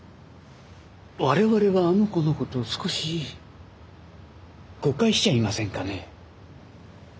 我々はあの子のこと少し誤解しちゃいませんかね？